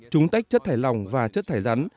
chúng tách chất thải lỏng và chất thải rắn